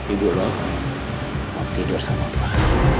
ibu lo mau tidur sama opah